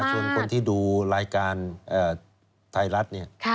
ชวนคนที่ดูรายการไทยรัฐเนี่ย